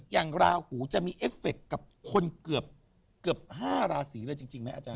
ราหูจะมีเอฟเฟคกับคนเกือบ๕ราศีเลยจริงไหมอาจาร